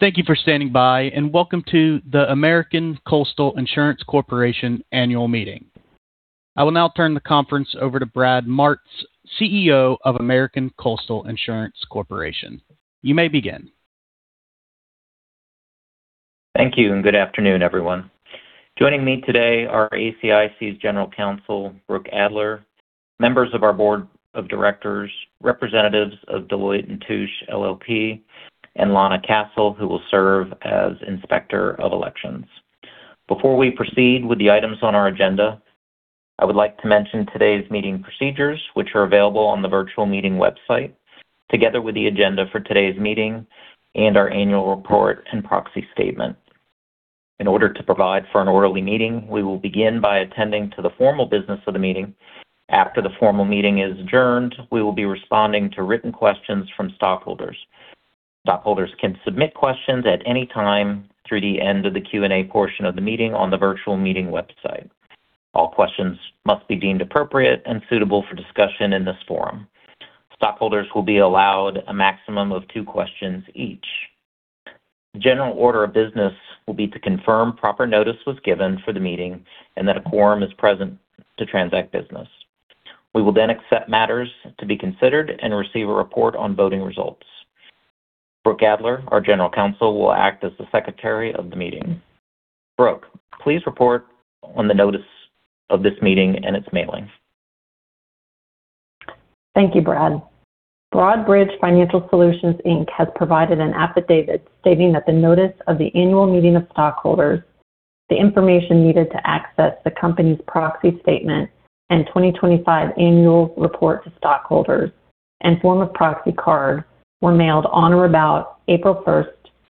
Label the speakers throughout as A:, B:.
A: Thank you for standing by, and welcome to the American Coastal Insurance Corporation Annual Meeting. I will now turn the conference over to Brad Martz, CEO of American Coastal Insurance Corporation. You may begin.
B: Thank you, and good afternoon, everyone. Joining me today are ACIC's General Counsel, Brooke Adler, members of our Board of Directors, representatives of Deloitte & Touche LLP, and Lana Castle, who will serve as Inspector of Elections. Before we proceed with the items on our agenda, I would like to mention today's meeting procedures, which are available on the virtual meeting website, together with the agenda for today's meeting and our annual report and proxy statement. In order to provide for an orderly meeting, we will begin by attending to the formal business of the meeting. After the formal meeting is adjourned, we will be responding to written questions from stockholders. Stockholders can submit questions at any time through the end of the Q&A portion of the meeting on the virtual meeting website. All questions must be deemed appropriate and suitable for discussion in this forum. Stockholders will be allowed a maximum of two questions each. General order of business will be to confirm proper notice was given for the meeting and that a quorum is present to transact business. We will then accept matters to be considered and receive a report on voting results. Brooke Adler, our general counsel, will act as the secretary of the meeting. Brooke, please report on the notice of this meeting and its mailing.
C: Thank you, Brad. Broadridge Financial Solutions, Inc has provided an affidavit stating that the notice of the Annual Meeting of Stockholders, the information needed to access the company's proxy statement and 2025 annual report to stockholders, and form of proxy card were mailed on or about April 1st,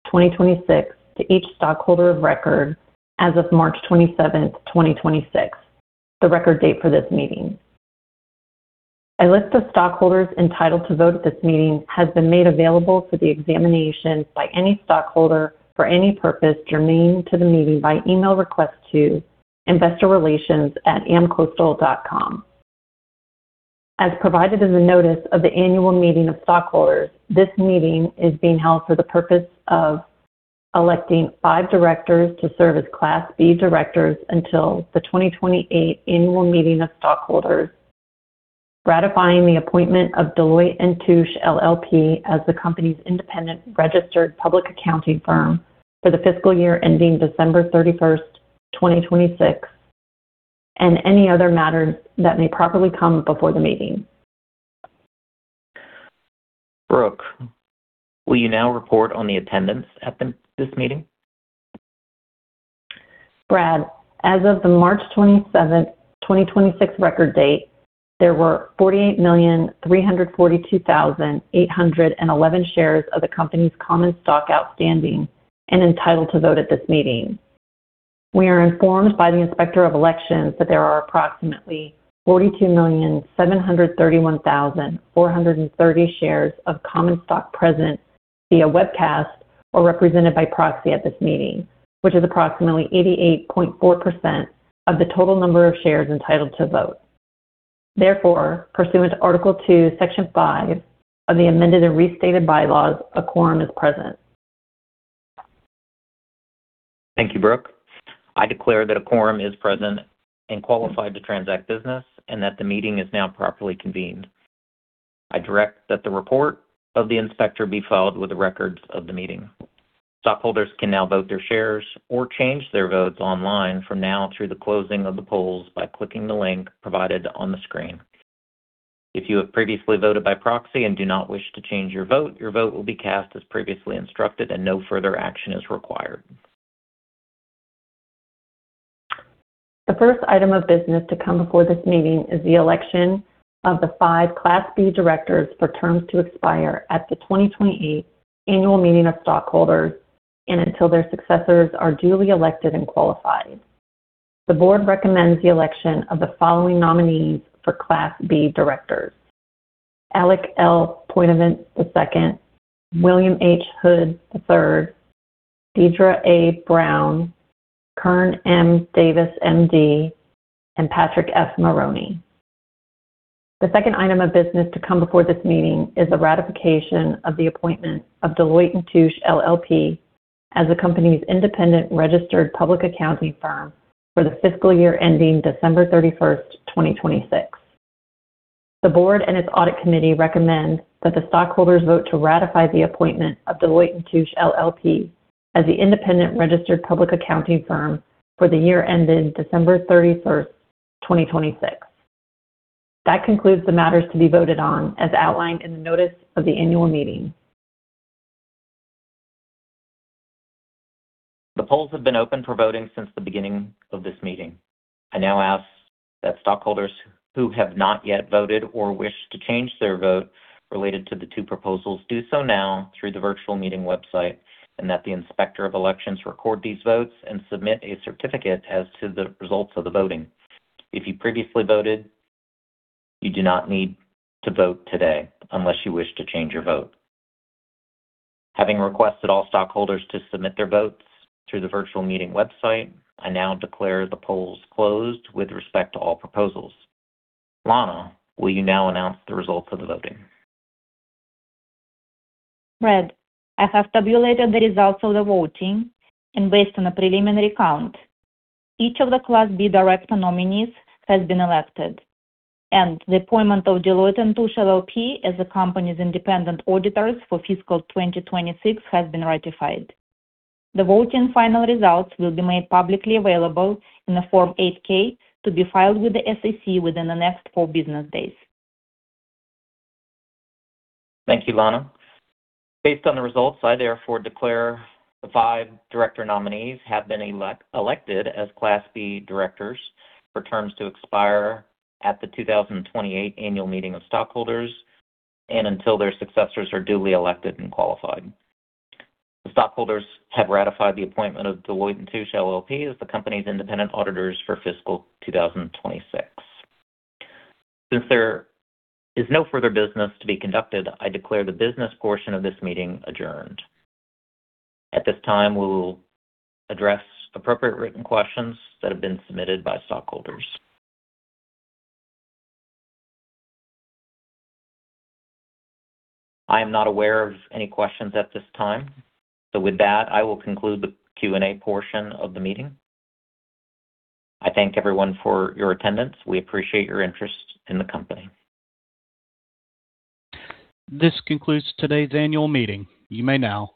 C: 2026 to each stockholder of record as of March 27th, 2026, the record date for this meeting. A list of stockholders entitled to vote at this meeting has been made available for the examination by any stockholder for any purpose germane to the meeting by email request to investorrelations@amcoastal.com. As provided in the notice of the Annual Meeting of Stockholders, this meeting is being held for the purpose of electing five directors to serve as Class B directors until the 2028 Annual Meeting of Stockholders, ratifying the appointment of Deloitte & Touche LLP as the company's independent registered public accounting firm for the fiscal year ending December 31st, 2026, and any other matter that may properly come before the meeting.
B: Brooke, will you now report on the attendance at this meeting?
C: Brad, as of the March 27th, 2026, record date, there were 48,342,811 shares of the company's common stock outstanding and entitled to vote at this meeting. We are informed by the Inspector of Elections that there are approximately 42,731,430 shares of common stock present via webcast or represented by proxy at this meeting, which is approximately 88.4% of the total number of shares entitled to vote. Therefore, pursuant Article 2 Section 5 of the amended and restated bylaws, a quorum is present.
B: Thank you, Brooke. I declare that a quorum is present and qualified to transact business, and that the meeting is now properly convened. I direct that the report of the inspector be filed with the records of the meeting. Stockholders can now vote their shares or change their votes online from now through the closing of the polls by clicking the link provided on the screen. If you have previously voted by proxy and do not wish to change your vote, your vote will be cast as previously instructed and no further action is required.
C: The first item of business to come before this meeting is the election of the five Class B directors for terms to expire at the 2028 Annual Meeting of Stockholders and until their successors are duly elected and qualified. The board recommends the election of the following nominees for Class B directors: Alec L. Poitevint II, William H. Hood III, Deirdre A. Brown, Kern M. Davis, MD, and Patrick F. Maroney. The second item of business to come before this meeting is the ratification of the appointment of Deloitte & Touche LLP as the company's independent registered public accounting firm for the fiscal year ending December 31st, 2026. The board and its audit committee recommend that the stockholders vote to ratify the appointment of Deloitte & Touche LLP as the independent registered public accounting firm for the year ending December 31st, 2026. That concludes the matters to be voted on as outlined in the notice of the annual meeting.
B: The polls have been open for voting since the beginning of this meeting. I now ask that stockholders who have not yet voted or wish to change their vote related to the two proposals do so now through the virtual meeting website, and that the Inspector of Elections record these votes and submit a certificate as to the results of the voting. If you previously voted, you do not need to vote today unless you wish to change your vote. Having requested all stockholders to submit their votes through the virtual meeting website, I now declare the polls closed with respect to all proposals. Lana, will you now announce the results of the voting?
D: Brad, I have tabulated the results of the voting, and based on a preliminary count, each of the Class B director nominees has been elected, and the appointment of Deloitte & Touche LLP as the company's independent auditors for fiscal 2026 has been ratified. The voting final results will be made publicly available in a Form 8-K to be filed with the SEC within the next four business days.
B: Thank you, Lana. Based on the results, I therefore declare the five director nominees have been elected as Class B directors for terms to expire at the 2028 Annual Meeting of Stockholders and until their successors are duly elected and qualified. The stockholders have ratified the appointment of Deloitte & Touche LLP as the company's independent auditors for fiscal 2026. There is no further business to be conducted, I declare the business portion of this meeting adjourned. At this time, we will address appropriate written questions that have been submitted by stockholders. I am not aware of any questions at this time. With that, I will conclude the Q&A portion of the meeting. I thank everyone for your attendance. We appreciate your interest in the company.
A: This concludes today's annual meeting.